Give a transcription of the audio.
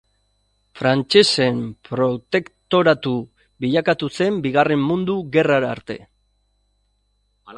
Frantsesen protektoratu bilakatu zen Bigarren Mundu Gerrara arte.